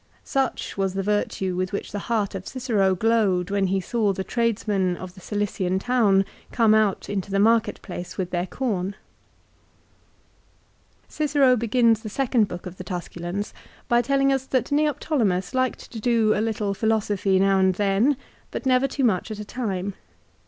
Such was the virtue with which the heart of Cicero glowed when he saw the tradesmen of the Cilician town come out into the market place with their corn. Cicero begins the second book of the Tusculans by telling us that Neoptolemus liked to do a little philosophy now and then, but never too much at a time.